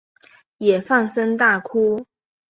也放声大哭